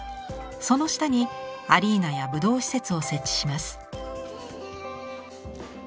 その下にアリーナや武道施設を設置します。